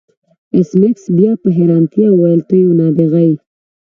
ایس میکس بیا په حیرانتیا وویل ته یو نابغه یې